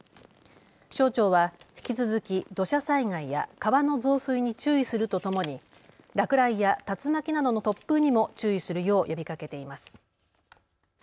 気象庁は引き続き、土砂災害や川の増水に注意するとともに落雷や竜巻などの突風にも注意するよう呼びかけています。